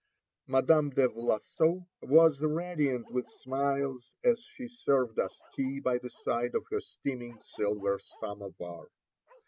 Madame de Vlassow was radiant with smiles as she served us tea by the side of her steaming silver samovar.